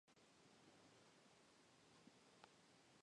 De este matrimonio nació uno propio, Luis, que murió con quince años.